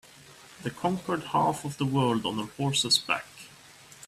The conquered half of the world on her horse's back.